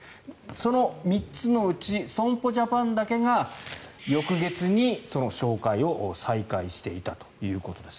その３つのうち損保ジャパンだけが翌月に紹介を再開していたということです。